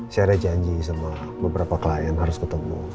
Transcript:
saya ada janji sama beberapa klien harus ketemu